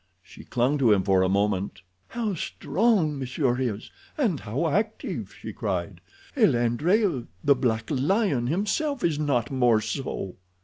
She clung to him for a moment. "How strong m'sieur is, and how active," she cried. "El Adrea, the black lion, himself is not more so."